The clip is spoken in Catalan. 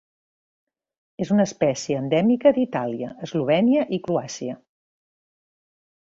És una espècie endèmica d'Itàlia, Eslovènia i Croàcia.